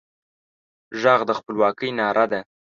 غږ د خپلواکۍ ناره ده